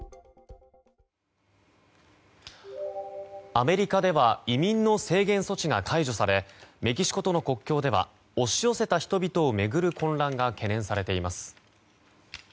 アメリカでは移民の制限措置が解除されメキシコとの国境では押し寄せた人々を巡る混乱が懸念されています。